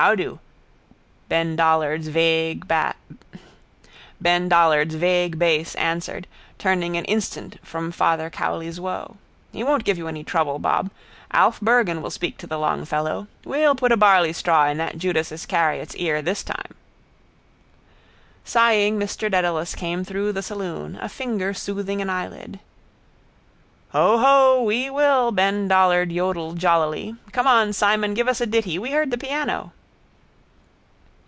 How do? Ben Dollard's vague bass answered, turning an instant from Father Cowley's woe. He won't give you any trouble, Bob. Alf Bergan will speak to the long fellow. We'll put a barleystraw in that Judas Iscariot's ear this time. Sighing Mr Dedalus came through the saloon, a finger soothing an eyelid. —Hoho, we will, Ben Dollard yodled jollily. Come on, Simon. Give us a ditty. We heard the piano.